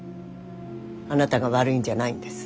あなたが悪いんじゃないんです。